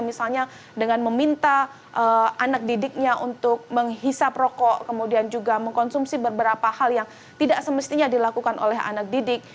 misalnya dengan meminta anak didiknya untuk menghisap rokok kemudian juga mengkonsumsi beberapa hal yang tidak semestinya dilakukan oleh anak didik